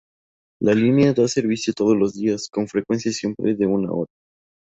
La línea da servicio todos los días, con frecuencias siempre de una hora.